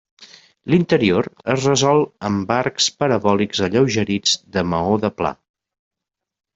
L'interior es resol amb arcs parabòlics alleugerits de maó de pla.